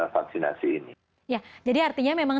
vaksinasi ini ya jadi artinya memang